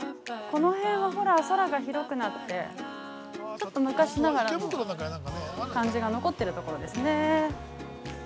この辺はほら空が広くなってちょっと昔ながらの感じが残ってるところですね。